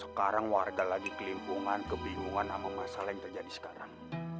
sekarang warga lagi kelimpungan kebingungan sama masalah yang terjadi sekarang